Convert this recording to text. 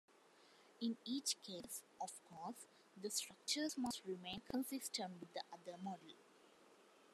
In each case, of course, the structures must remain consistent with the other model.